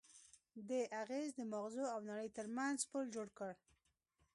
دې اغېز د ماغزو او نړۍ ترمنځ پُل جوړ کړ.